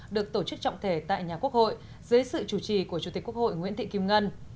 được tổ chức trọng thể tại nhà quốc hội dưới sự chủ trì của chủ tịch quốc hội nguyễn thị kim ngân